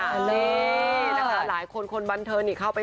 ทะเลนะคะหลายคนบันเทิร์นิยเข้าไป